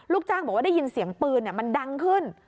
ลูกจ้างบอกว่าได้ยินเสียงปืนมันดังขึ้น